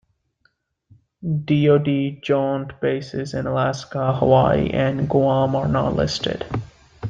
DoD Joint Bases in Alaska, Hawaii and Guam are not listed.